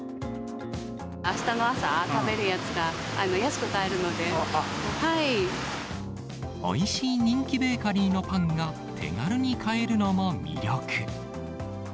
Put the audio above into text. あしたの朝、食べるやつが安おいしい人気ベーカリーのパンが手軽に買えるのも魅力。